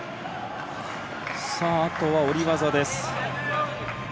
あとは下り技です。